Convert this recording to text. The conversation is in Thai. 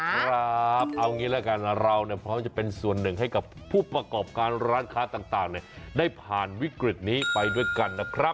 ครับเอางี้ละกันเราพร้อมจะเป็นส่วนหนึ่งให้กับผู้ประกอบการร้านค้าต่างได้ผ่านวิกฤตนี้ไปด้วยกันนะครับ